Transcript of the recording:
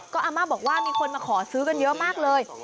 ก็อาม่าบอกว่ามีคนมาขอซื้อกันเยอะมากเลย